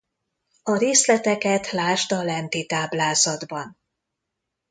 A részleteket lásd a lenti táblázatban.